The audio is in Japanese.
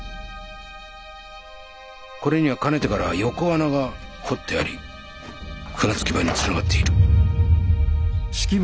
これにはかねてから横穴が掘ってあり船着き場につながっている。